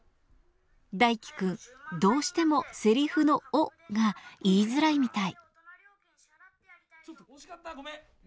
大樹くんどうしてもセリフの「を」が言いづらいみたい。